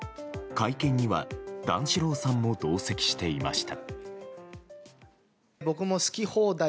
会見には段四郎さんも同席していました。